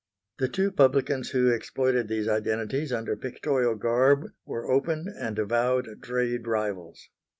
The two publicans who exploited these identities under pictorial garb were open and avowed trade rivals.